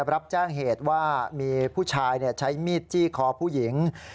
รับแจ้งเหตุว่ามีผู้ชายใช้มีดจี้คอผู้หญิง